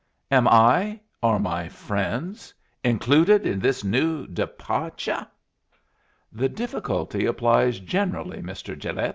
Am I are my friends included in this new depa'tyuh?" "The difficulty applies generally, Mr. Gilet."